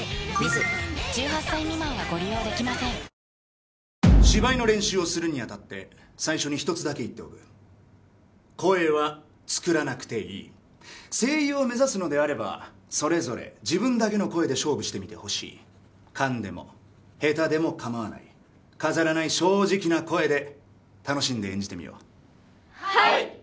え．．．芝居の練習をするに当たって最初に一つだけ言っておく声は作らなくていい声優を目指すのであればそれぞれ自分だけの声で勝負してみてほしい噛んでもヘタでもかまわない飾らない正直な声で楽しんで演じてみようはい！